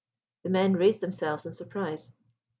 The men raised themselves in surprise.